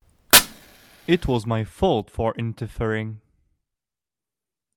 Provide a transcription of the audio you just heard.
It was my fault for interfering.